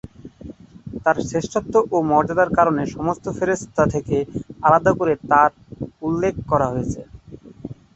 তার শ্রেষ্ঠত্ব ও মর্যাদার কারণে সমস্ত ফেরেশতা থেকে আলাদা করে তার উল্লেখ করা হয়েছে।